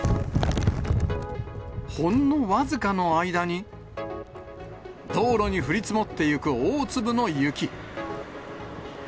ほんの僅かの間に、道路に降り積もっていく大粒の雪。